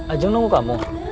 ajam nunggu kamu